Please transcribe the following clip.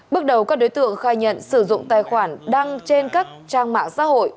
bước đầu các đối tượng khai nhận sử dụng tài khoản đăng trên các trang mạng xã hội